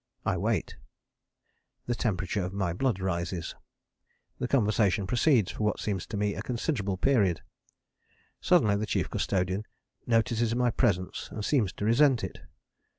I wait. The temperature of my blood rises. The conversation proceeds for what seems to me a considerable period. Suddenly the Chief Custodian notices my presence and seems to resent it.